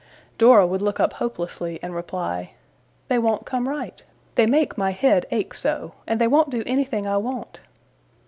Dora would look up hopelessly, and reply, 'They won't come right. They make my head ache so. And they won't do anything I want!